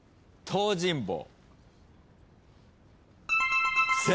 東尋坊］